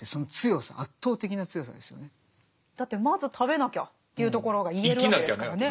だってまず食べなきゃっていうところが言えるわけですからね。